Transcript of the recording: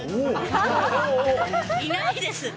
いないですね。